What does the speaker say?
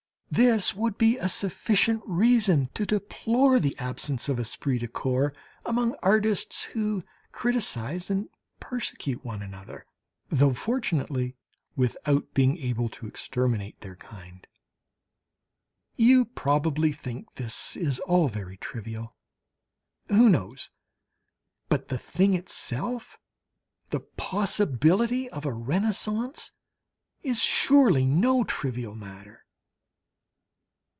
This would be a sufficient reason to deplore the absence of esprit de corps among artists, who criticize and persecute one another, though fortunately without being able to exterminate their kind. You probably think this is all very trivial? Who knows? But the thing itself, the possibility of a Renaissance, is surely no trivial matter!